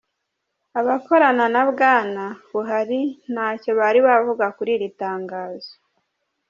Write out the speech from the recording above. Abakorana na Bwana Buhari ntacyo bari bavuga kuri iri tangazo.